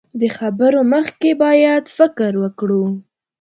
له خبرو مخکې بايد فکر وکړو.